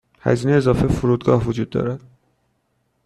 هزینه اضافه فرودگاه وجود دارد.